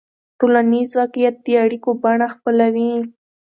ټولنیز واقعیت د اړیکو بڼه خپلوي.